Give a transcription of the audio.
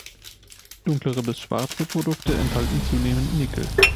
Dunklere bis schwarze Produkte enthalten zunehmend Ni.